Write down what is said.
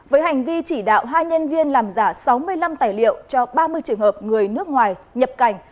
với hành vi chỉ đạo hai nhân viên làm giả sáu mươi năm tài liệu cho ba mươi trường hợp người nước ngoài nhập cảnh